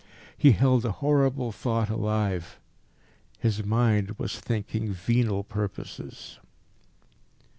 He held a horrible thought alive. His mind was thinking venal purposes.